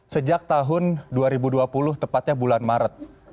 sejak tahun dua ribu dua puluh tepatnya bulan maret